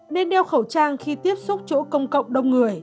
nên đeo khẩu trang khi tiếp xúc chỗ công cộng đông người